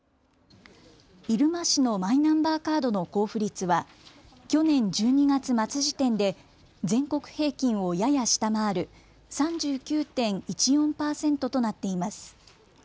入間市のマイナンバーカードの交付率は去年１２月末時点で全国平均をやや下回る３９．１４％となっています。